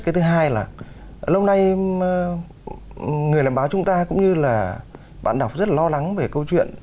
cái thứ hai là lâu nay người làm báo chúng ta cũng như là bạn đọc rất lo lắng về câu chuyện